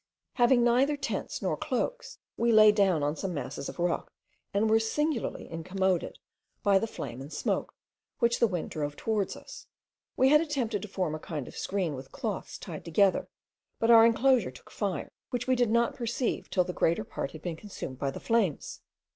Having neither tents nor cloaks, we lay down on some masses of rock, and were singularly incommoded by the flame and smoke, which the wind drove towards us. We had attempted to form a kind of screen with cloths tied together, but our enclosure took fire, which we did not perceive till the greater part had been consumed by the flames.